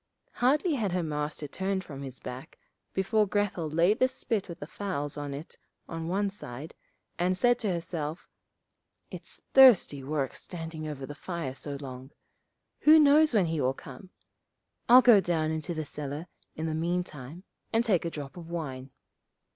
Hardly had her Master turned his back before Grethel laid the spit with the fowls on it on one side, and said to herself, 'It's thirsty work standing over the fire so long. Who knows when he will come. I'll go down into the cellar in the meantime and take a drop of wine.'